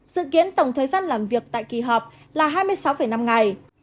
dự kiến tổng thời gian làm việc tại kỳ họp là hai mươi sáu năm ngày